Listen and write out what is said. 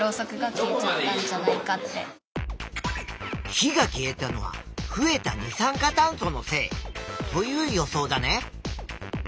火が消えたのは増えた二酸化炭素のせいという予想だね。